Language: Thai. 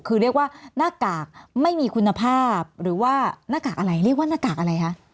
คือเรียกว่าหน้ากากไม่มีคุณภาพหรือว่าหน้ากากอะไรเรียกว่าหน้ากากอะไรคะ